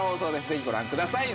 ぜひご覧ください。